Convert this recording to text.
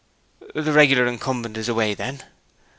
'The regular incumbent is away, then?'